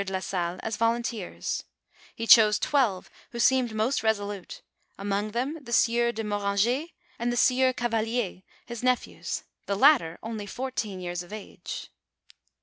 o la Salle as volunteers ; he chose twelve who seemed most resolute ; among them, the sieur de Morang6, and the sieur Cavdlier, his nephews, the latter only fourteen years of age.